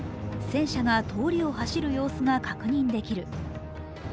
戦車が通りを走る様子が確認できる。